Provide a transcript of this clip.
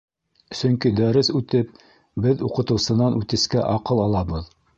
—Сөнки дәрес үтеп, беҙ уҡытыусынан үтескә аҡыл алабыҙ...